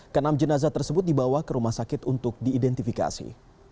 kenam jenazah tersebut dibawa ke rumah sakit untuk diidentifikasi